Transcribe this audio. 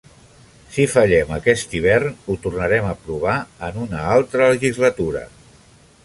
Si fallem aquest hivern, ho tornarem a provar en una altra legislatura.